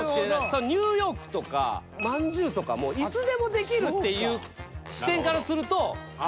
ニューヨークとかまんじゅうとかもっていう視点からすると。